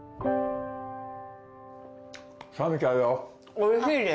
おいしいで。